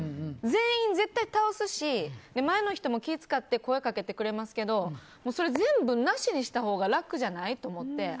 全員絶対倒すし前の人も気を使って声かけてくれますけどそれ全部なしにしたほうが楽じゃない？と思って。